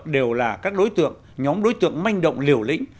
đều là các đối tượng nhóm đối tượng manh động liều lĩnh